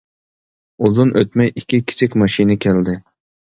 ئۇزۇن ئۆتمەي ئىككى كىچىك ماشىنا كەلدى.